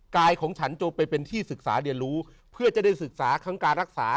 กายของฉันโจมเป็นที่ศึกษาเดี๋ยวรู้เพื่อจะได้ศึกษาทำการรักษา